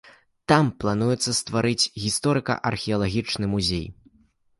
Там плануецца стварыць гісторыка-археалагічны музей.